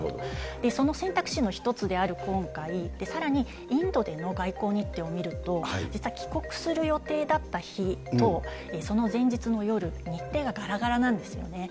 その選択肢の１つである今回、さらにインドでの外交日程を見ると、実は帰国する予定だった日と、その前日の夜、日程ががらがらなんですよね。